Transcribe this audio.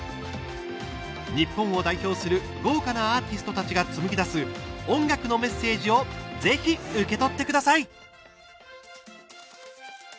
日本を代表する豪華なアーティストたちが紡ぎ出す音楽のメッセージをぜひ受け取ってください。